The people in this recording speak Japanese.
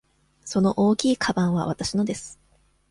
その大きいかばんはわたしのです。